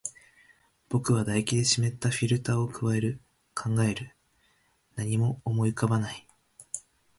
僕は唾液で湿ったフィルターを咥え、考える。何も思い浮かばない。